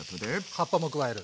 葉っぱも加える。